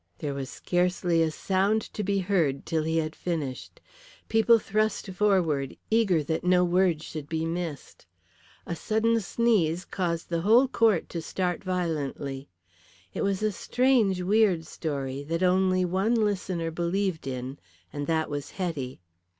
There was scarcely a sound to be heard till he had finished. People thrust forward, eager that no word should be missed. A sudden sneeze caused the whole court to start violently. It was a strange weird story, that only one listener believed in, and that was Hetty.